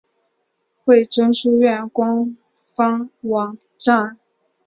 惠贞书院官方网站